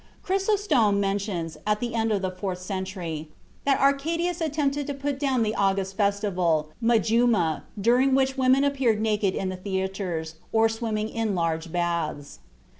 Chrysostom mentions, at the end of the fourth century, that Arcadius attempted to put down the August festival (Majuma), during which women appeared naked in the theatres, or swimming in large baths.